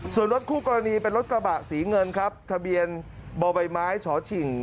ส่วนรถคู่กรณีเป็นรถกระบะสีเงินครับทะเบียนบ่อใบไม้ฉอฉิ่ง